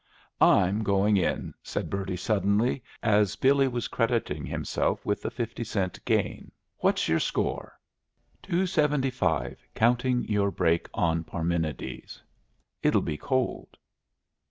"I'm going in," said Bertie, suddenly, as Billy was crediting himself with a fifty cent gain. "What's your score?" "Two seventy five, counting your break on Parmenides. It'll be cold."